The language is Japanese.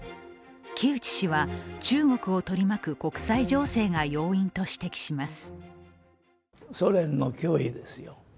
木内氏は中国を取り巻く国際情勢が要因と指摘します。